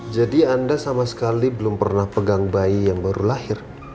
jadi anda sama sekali belum pernah pegang bayi yang baru lahir